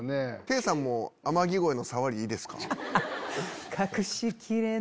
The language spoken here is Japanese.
ケイさんも『天城越え』のさわりいいですか？